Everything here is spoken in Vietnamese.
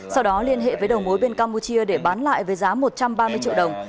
sau đó liên hệ với đầu mối bên campuchia để bán lại với giá một trăm ba mươi triệu đồng